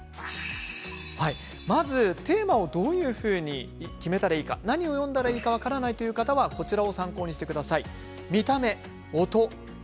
テーマをどういうふうに決めたらいいか何を詠んだらいいか分からない方はこちらを参考にしてください。